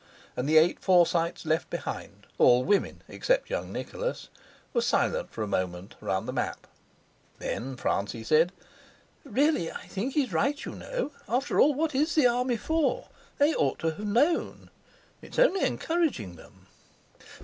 And the eight Forsytes left behind, all women except young Nicholas, were silent for a moment round the map. Then Francie said: "Really, I think he's right, you know. After all, what is the Army for? They ought to have known. It's only encouraging them."